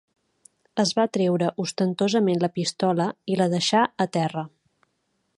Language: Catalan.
Es va treure ostentosament la pistola i la deixà a terra